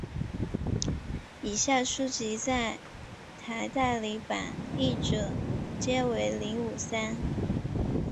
以下书籍在台代理版的译者皆为林武三。